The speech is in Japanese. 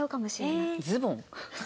ズボン？